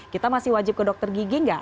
kita masih wajib ke dokter gigi nggak